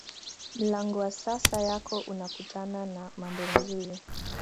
mlango wa sasa yako unakutana na mambo mazuri